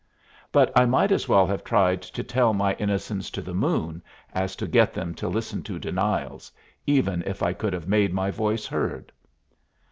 But I might as well have tried to tell my innocence to the moon as to get them to listen to denials, even if I could have made my voice heard.